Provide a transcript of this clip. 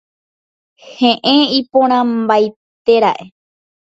Heẽ iporãmbaitera'e.